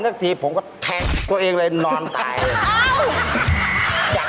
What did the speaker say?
ใช่ครับแล้วสบายจริงไหมก็เพราะนอน